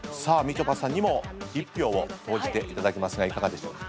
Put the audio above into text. ちょぱさんにも１票を投じていただきますがいかがでしょうか？